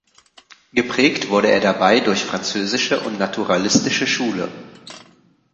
Geprägt wurde er dabei durch französische und naturalistische Schule.